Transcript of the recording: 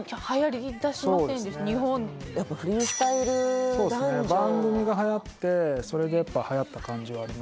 やっぱ「フリースタイルダンジョン」番組がはやってそれでやっぱはやった感じはありますね